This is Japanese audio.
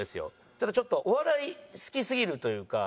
ただちょっとお笑い好きすぎるというか。